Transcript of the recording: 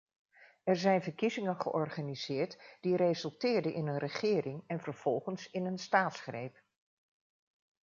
Er zijn verkiezingen georganiseerd die resulteerden in een regering en vervolgens in een staatsgreep.